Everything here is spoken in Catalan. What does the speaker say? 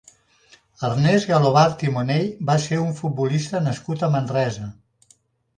Ernest Galobart i Monell va ser un futbolista nascut a Manresa.